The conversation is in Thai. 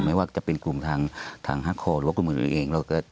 ไม่ว่าจะเป็นกลุ่มทางฮักคอร์หรือกลุ่มของตัวเอง